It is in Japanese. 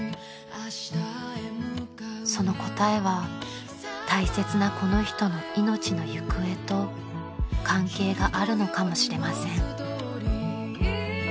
［その答えは大切なこの人の命の行方と関係があるのかもしれません］